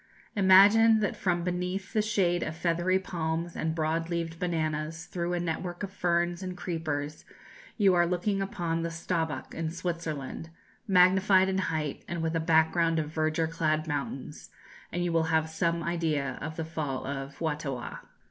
Imagine that from beneath the shade of feathery palms and broad leaved bananas through a network of ferns and creepers you are looking upon the Staubbach, in Switzerland, magnified in height, and with a background of verdure clad mountains, and you will have some idea of the fall of Fuatawah."